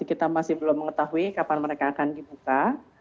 kita masih belum mengetahui kapan mereka akan dibuka